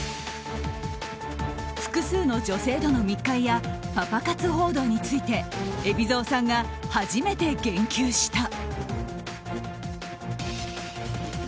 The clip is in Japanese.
複数の女性との密会やパパ活報道について海老蔵さんが初めて言及した。